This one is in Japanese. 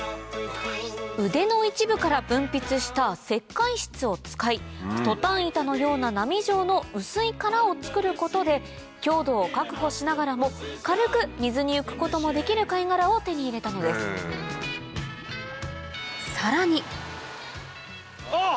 腕の一部から分泌した石灰質を使いトタン板のような波状の薄い殻を作ることで強度を確保しながらも軽く水に浮くこともできる貝殻を手に入れたのですさらにあっ！